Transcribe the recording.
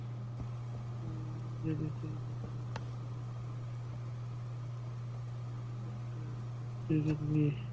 যদি তুই কিছু টাকা উপার্জন করিস, তো বস্তিতে একটা ঝুপড়ি কিনবি।